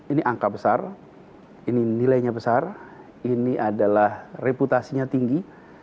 ini angka besar ini nilainya besar ini adalah reputasinya tinggi